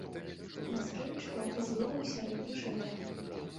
Маскевіч пяты злева ў сярэднім шэрагу.